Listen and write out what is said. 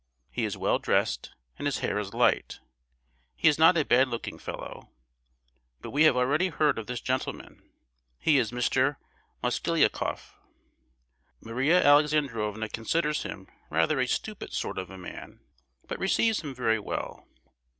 He is well dressed and his hair is light; he is not a bad looking fellow. But we have already heard of this gentleman: he is Mr. Mosgliakoff. Maria Alexandrovna considers him rather a stupid sort of a man, but receives him very well.